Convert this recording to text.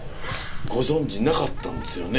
ご存じなかったんですよね。